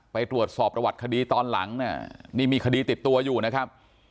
ไปตรวจสอบประวัติคดีตอนหลังเนี่ยนี่มีคดีติดตัวอยู่นะครับ